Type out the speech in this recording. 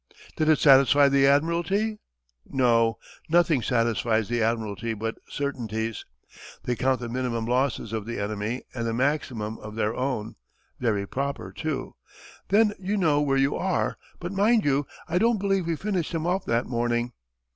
"Did it satisfy the Admiralty?" "No. Nothing satisfies the Admiralty but certainties. They count the minimum losses of the enemy, and the maximum of their own. Very proper, too. Then you know where you are. But, mind you, I don't believe we finished him off that morning.